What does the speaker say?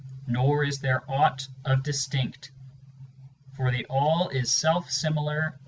Nor is there aught of distinct; for the All is self similar ahvay.